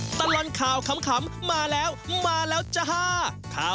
ตลอดข่าวขำมาแล้วมาแล้วจ้า